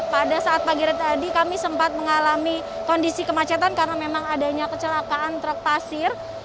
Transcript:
pada saat pagi tadi kami sempat mengalami kondisi kemacetan karena memang adanya kecelakaan truk pasir